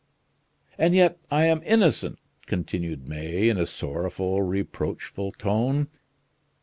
"And yet I am innocent," continued May, in a sorrowful, reproachful tone.